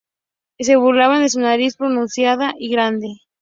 Se burlaban de su nariz pronunciada y grande.